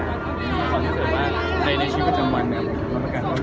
จริงไม่คุ้มสาวผู้ใหญ่หรือว่าผู้ใหญ่คำแนะนำว่าใครบ้าง